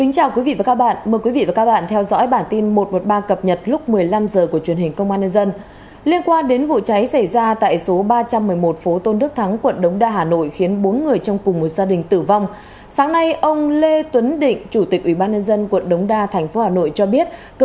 cảm ơn các bạn đã theo dõi